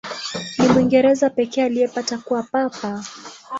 Ni Mwingereza pekee aliyepata kuwa Papa.